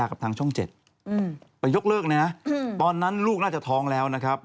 กับทางช่อง๗ไปยกเลิกเลยนะตอนนั้นลูกน่าจะท้องแล้วนะครับ